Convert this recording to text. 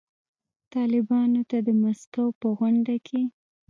طالبانو ته د مسکو په غونډه کې